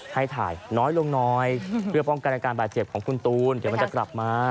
ให้ถ่ายน้อยลงหน่อยเพื่อป้องกันอาการบาดเจ็บของคุณตูนเดี๋ยวมันจะกลับมา